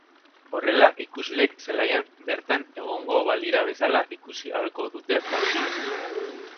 Horrela, ikusleek zelaian bertan egongo balira bezala ikusi ahalko dute partida.